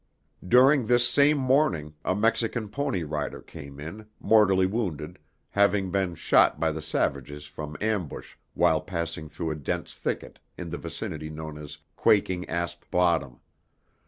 During this same morning, a Mexican pony rider came in, mortally wounded, having been shot by the savages from ambush while passing through a dense thicket in the vicinity known as Quaking Asp Bottom.